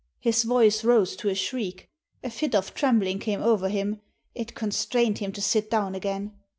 His voice rose to a shriek. A fit of trembling came over him. It constrained him to sit down again.